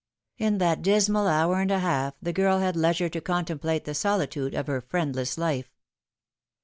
In that dismal hour and a half the girl had leisure to contemplate the solitude of her friend less life.